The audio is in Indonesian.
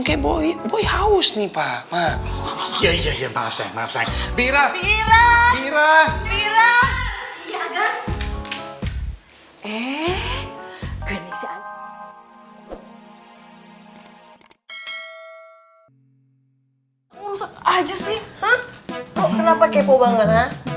kok kenapa kepo banget ha